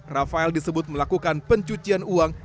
rafael disebut melakukan pencucian uang